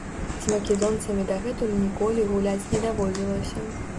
З македонцамі дагэтуль ніколі гуляць не даводзілася.